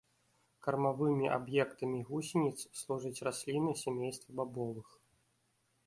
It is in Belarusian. Кармавымі аб'ектамі гусеніц служаць расліны сямейства бабовых.